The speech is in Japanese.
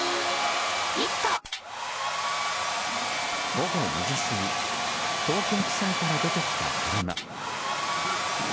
午後２時過ぎ東京地裁から出てきた車。